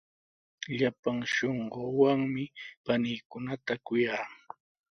Llapan shunquuwanmi paniikunata kuyaa.